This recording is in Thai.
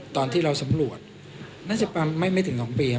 ตอนที่เราสำรวจน่าจะไม่ถึง๒ปีครับ